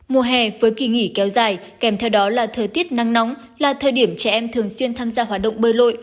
mùa hè với kỳ nghỉ kéo dài kèm theo đó là thời tiết nắng nóng là thời điểm trẻ em thường xuyên tham gia hoạt động bơi lội